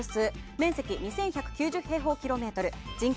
面積２３９０平方キロメートル。